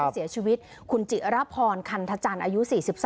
เสียชีวิตคุณจิรพรคันทจันทร์อายุ๔๓